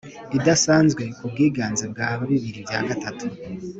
Idasanzwe ku bwiganze bwa bibiri bya gatatu